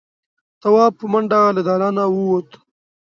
تواب په منډه له دالانه ووت.